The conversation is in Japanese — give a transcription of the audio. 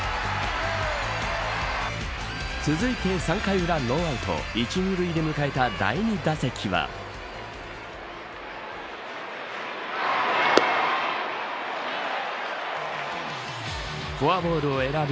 続いて３回裏ノーアウト１、２塁で迎えた第２打席はフォアボールを選び